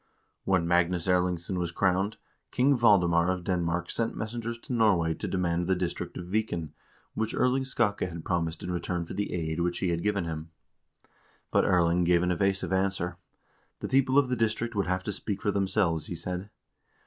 1 When Magnus Erlingsson was crowned, King Valdemar of Den mark sent messengers to Norway to demand the district of Viken, which Erling Skakke had promised in return for the aid which he had given him. But Erling gave an evasive answer. The people of the district would have to speak for themselves, he said.